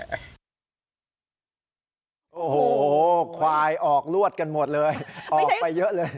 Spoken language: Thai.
โอ้โหควายออกลวดกันหมดเลยออกไปเยอะเลย